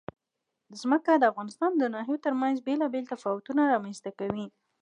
ځمکه د افغانستان د ناحیو ترمنځ بېلابېل تفاوتونه رامنځ ته کوي.